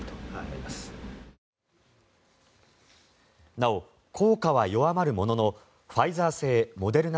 なお、効果は弱まるもののファイザー製、モデルナ